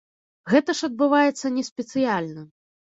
Гэта ж адбываецца не спецыяльна.